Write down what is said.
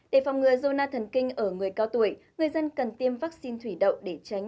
để phòng ngừa zona thần kinh ở người cao tuổi người dân cần tiêm vaccine thủy đậu để tránh